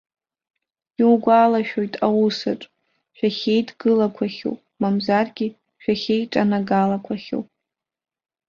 Иугәалашәоит аусаҿ шәахьеидгылақәахьоу, мамзаргьы шәахьеиҿанагалақәахьоу.